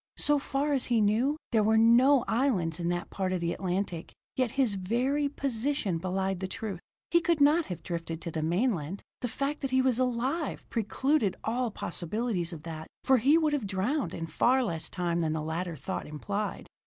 So far as he knew, there were no islands in that part of the Atlantic; yet his very position belied the truth. He could not have drifted to the mainland; the fact that he was alive precluded all possibilities of that, for he would have drowned in far less time than the latter thought implied.